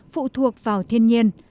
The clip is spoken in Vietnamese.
phụ thuộc vào thiên nhiên